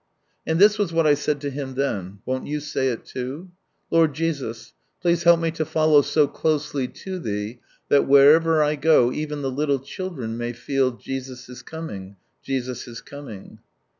And this was what I said to Him then, won't you say It too ?" Lord Jesus, please help me to follow so closely to Thee, that wherever I go even the little children may feel Jesus is coming, Jesus is coining."